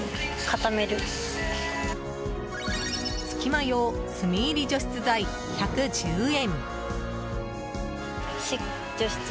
すきま用炭入除湿剤、１１０円。